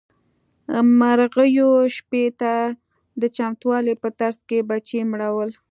مرغيو شپې ته د چمتووالي په ترڅ کې بچي مړول.